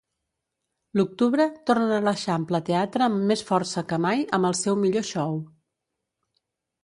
L’octubre tornen a l’Eixample Teatre amb més força que mai amb el seu millor show.